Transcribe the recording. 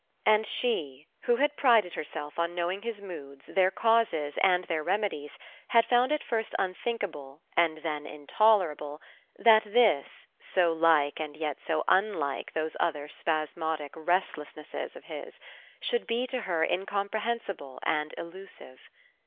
And she, who had prided herself on knowing his moods, their causes and their rem edies, had found it first unthinkable, and then intolerable, that this, so like and yet so unlike those other spasmodic restlessnesses of his, should be to her incomprehensible and elusive.